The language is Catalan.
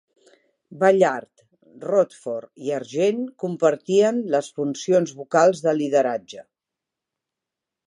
Ballard, Rodford i Argent compartien les funcions vocals de lideratge.